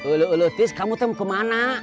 ulu ulu tis kamu tuh mau kemana